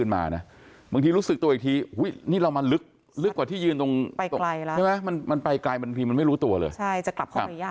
มากด้วยคุณผู้ชมค่ะ